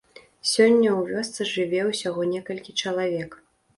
Сёння ў вёсцы жыве ўсяго некалькі чалавек.